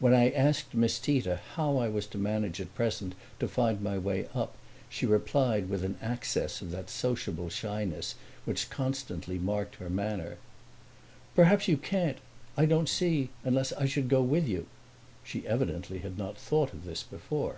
When I asked Miss Tita how I was to manage at present to find my way up she replied with an access of that sociable shyness which constantly marked her manner. "Perhaps you can't. I don't see unless I should go with you." She evidently had not thought of this before.